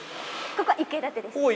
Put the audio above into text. ◆ここは１階建てです。